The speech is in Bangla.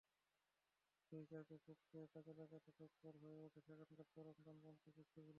সেই চাপা ক্ষোভকে কাজে লাগাতে তৎপর হয়ে ওঠে সেখানকার চরম ডানপন্থী গোষ্ঠীগুলো।